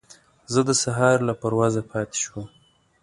زه د سهار له پروازه پاتې شوم.